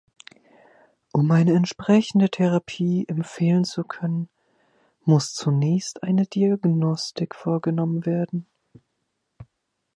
Um eine entsprechende Therapie empfehlen zu können, muss zunächst eine Diagnostik vorgenommen werden.